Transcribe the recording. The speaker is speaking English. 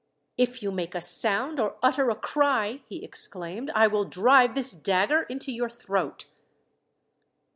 "If you make a sound, or utter a cry," he exclaimed, "I will drive this dagger into your throat."